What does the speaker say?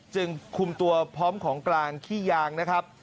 จึงคุมตัวพร้อมของกลางขี้ยางนะครับ